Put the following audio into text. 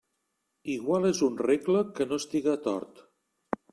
Igual és un regle que no estiga tort.